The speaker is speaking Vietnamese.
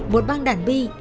một băng đạn bi